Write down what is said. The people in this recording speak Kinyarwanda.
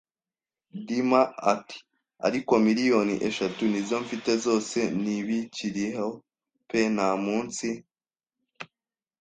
Dima ati: "Ariko miliyoni eshatu nizo mfite zose". "Ntibikiriho pe nta munsi."